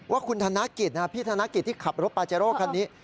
ว่าคุณธนกิจพี่ธนกิจที่ขับรถปาเจโร่คันนี้